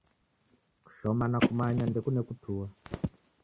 Kushoma na kumanya ndekune kutua